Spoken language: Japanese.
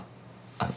あっ。